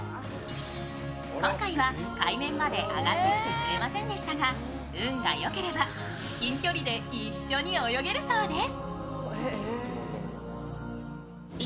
今回は海面まで上がってきてくれませんでしたが運がよければ、至近距離で一緒に泳げるそうです。